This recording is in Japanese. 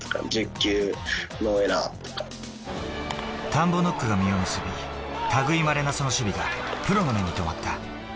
田んぼノックが実を結び、類まれなその守備がプロの目にとまった。